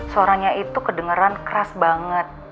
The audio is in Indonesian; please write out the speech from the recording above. suaranya itu kedengeran keras banget